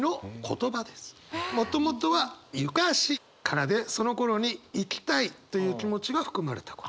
もともとは「行かし」からで「そのころに行きたい！」という気持ちが含まれた言葉。